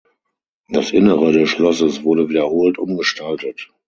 Das Innere des Schlosses wurde wiederholt umgestaltet.